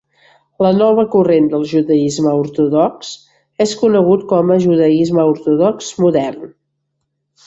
La nova corrent del judaisme ortodox és conegut com a judaisme ortodox modern.